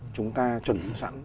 chúng ta chuẩn bị sẵn